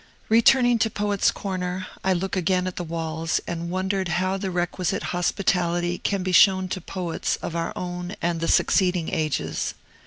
Returning to Poets' Corner, I looked again at the walls, and wondered how the requisite hospitality can be shown to poets of our own and the succeeding ages.